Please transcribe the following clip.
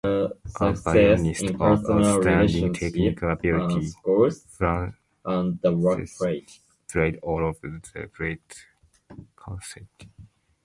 A violinist of outstanding technical ability, Francescatti played all of the great concerti.